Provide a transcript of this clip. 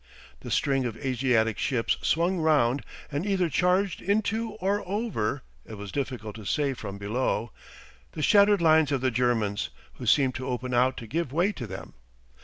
The string of Asiatic ships swung round and either charged into or over (it was difficult to say from below) the shattered line of the Germans, who seemed to open out to give way to them.